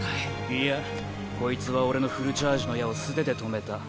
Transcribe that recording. いやこいつは俺のフルチャージの矢を素手で止めた。